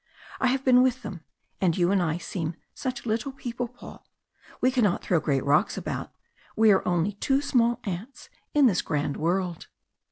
I have been with them, and you and I seem such little people, Paul. We cannot throw great rocks about we are only two small ants in this grand world."